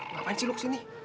ngapain cilok sini